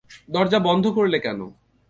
দরজা বন্ধ করলে কেনো?